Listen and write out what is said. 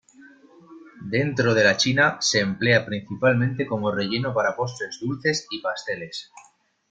Dentro de la china se emplea principalmente como relleno para postres dulces y pasteles.